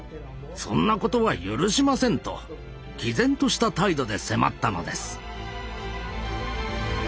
そんなことは許しません」ときぜんとした態度で迫ったのです。